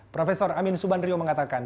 profesor amin subanrio mengatakan